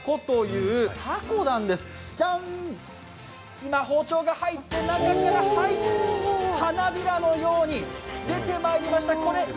今、包丁が入って、中から花びらのように出てきました。